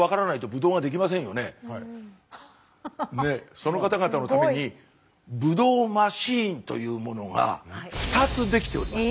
その方々のためにブドウマシーンというものが２つ出来ております。